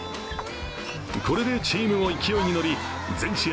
これでチームも勢いに乗り全試合